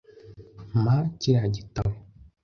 Mpa kiriya gitabo .